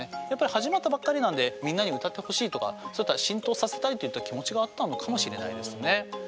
やっぱり始まったばっかりなんでみんなに歌ってほしいとかそういった浸透させたいといった気持ちがあったのかもしれないですね。